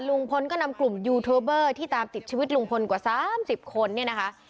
ลุงพลก็นำกลุ่มยูทูบเบอร์ที่ตามติดชีวิตลุงพลกว่า๓๐คนเนี่ยนะคะ